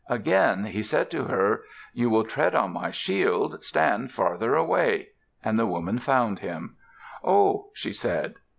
Again he said to her, "You will tread on my shield. Stand further away." And the woman found him. "Oh!" she said.